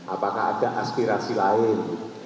apakah ada aspirasi lain